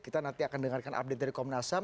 kita nanti akan dengarkan update dari komnas ham